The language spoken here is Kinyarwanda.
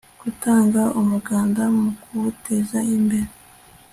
gutanga umuganda mu kuwuteza imbere